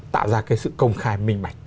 tạo ra cái sự công khai minh bạch